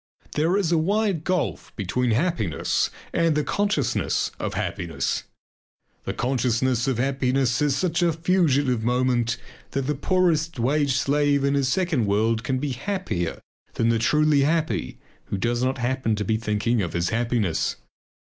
There is a wide gulf between happiness and the consciousness of happiness. The consciousness of happiness is such a fugitive moment that the poorest wage slave in his second world can be happier than the truly happy who does not happen to be thinking of his happiness.